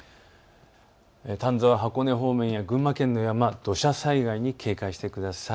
丹沢、箱根方面や群馬県の山、土砂災害に警戒してください。